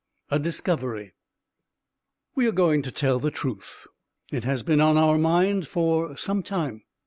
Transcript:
A DISCOVERY We are going to tell the truth. It has been on our mind for some time.